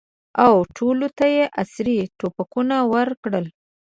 او ټولو ته یې عصري توپکونه ورکړل.